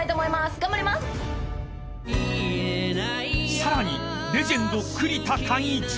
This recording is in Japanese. ［さらにレジェンド栗田貫一］